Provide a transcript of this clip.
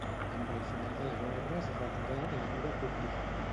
Amb el final de la guerra es retirà de la vida pública.